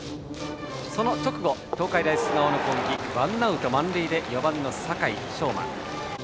その直後、東海大菅生の攻撃ワンアウト満塁で４番の酒井成真。